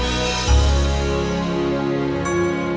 sampai jumpa lagi